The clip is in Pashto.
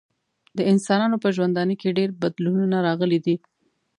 د انسانانو په ژوندانه کې ډیر بدلونونه راغلي دي.